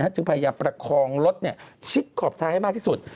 จึงพยายามประคองรถชิดขอบทางให้มากที่สุด